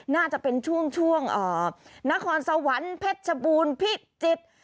น่าจะเป็นช่วงนครสวรรค์เพชรชบูรณ์พิจิตร